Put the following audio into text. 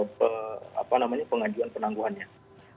jadi saya sudah mengajukan penangguhan penahanan